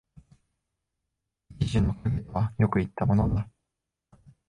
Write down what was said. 一樹の蔭とはよく云ったものだ